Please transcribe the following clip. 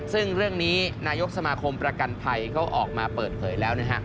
ซึ่งเรื่องนี้นายกสมาคมประกันภัยเขาออกมาเปิดเผยแล้วนะฮะ